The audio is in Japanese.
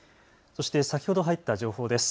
そして先ほど入った情報です。